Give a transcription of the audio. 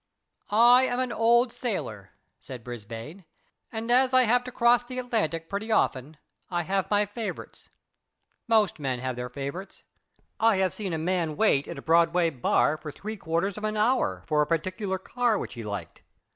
I am an old sailor, said Brisbane, and as I have to cross the Atlantic pretty often, I have my favourites. Most men have their favourites. I have seen a man wait in a Broadway bar for three quarters of an hour for a particular car which he liked.